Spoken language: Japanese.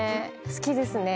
好きですね。